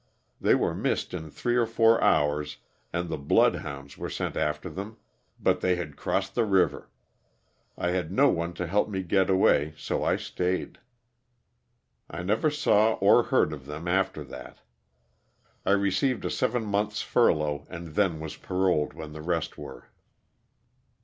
They were missed in three or four hours and the blood hounds were sent after them, but they had crossed the river. I had no one to help me get away, so I staid. I never saw or heard of them after that. I received a seven month's furlough, and then was paroled when the rest were.